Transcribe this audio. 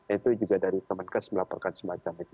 itu juga dari teman kes melaporkan semacam itu